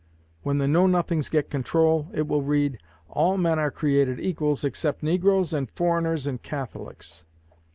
When the Know Nothings get control, it will read, 'all men are created equals, except negroes and foreigners and Catholics.'